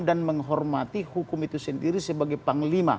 dan menghormati hukum itu sendiri sebagai panglima